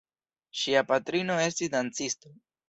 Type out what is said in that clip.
Ŝia patrino estis dancisto.